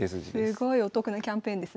すごいお得なキャンペーンですね。